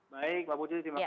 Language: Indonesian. baik mbak putri terima kasih